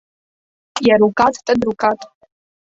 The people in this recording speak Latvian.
Ja rukāt, tad rukāt.